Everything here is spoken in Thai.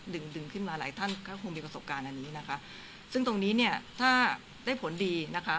ดึงดึงขึ้นมาหลายท่านก็คงมีประสบการณ์อันนี้นะคะซึ่งตรงนี้เนี่ยถ้าได้ผลดีนะคะ